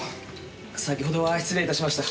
先ほどは失礼いたしました。